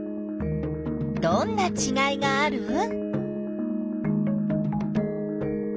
どんなちがいがある？